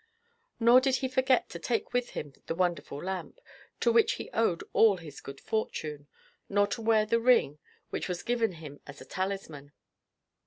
Nor did he forget to take with him the wonderful lamp, to which he owed all his good fortune, nor to wear the ring which was given him as a talisman.